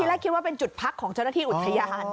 แรกคิดว่าเป็นจุดพักของเจ้าหน้าที่อุทยาน